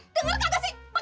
dengar kagak sih pegi